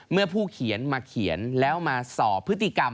เมื่อผู้เขียนมาเขียนแล้วมาสอบพฤติกรรม